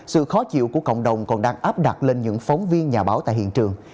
sự khó chịu của cộng đồng còn đang áp đặt lên những phóng viên nhà báo tại hiện trường